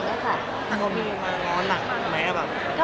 พร้อมไหมอะไรอย่างนี้ค่ะ